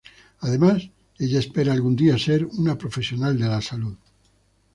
Además, ella espera algún día ser una profesional de la salud.